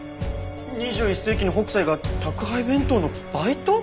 ２１世紀の北斎が宅配弁当のバイト？